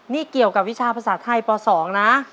นี่เกี่ยวกับวิชาภาษาไทยป๒นะ